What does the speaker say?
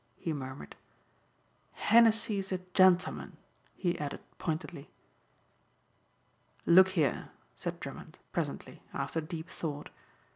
he murmured. "Henessey's a gentleman," he added pointedly. "Look here," said Drummond presently after deep thought.